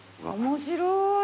面白い。